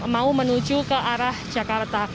mau menuju ke arah jakarta